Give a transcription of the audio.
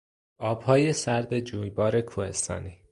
آبهای سرد جویبار کوهستانی